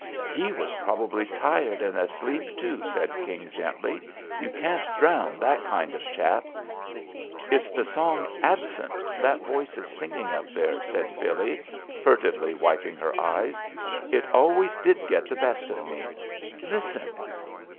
*'He was probably tired and asleep, too," said King gently, "you can't drown that kind of chap." "It's the song 'Absent' that voice is singing up there," said Billee, furtively wiping her eyes. "It always did get the best of me. Listen."